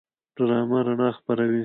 ډرامه رڼا خپروي